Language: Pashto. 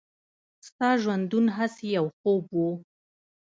«ستا ژوندون هسې یو خوب و.»